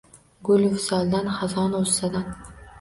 Gul visoldan, xazon gʼussadan